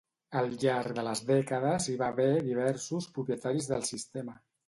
Al llarg de les dècades hi va haver diversos propietaris del sistema.